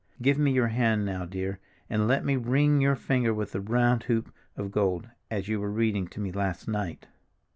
Give me your hand now, dear, and let me 'ring your finger with the round hoop of gold,' as you were reading to me last night."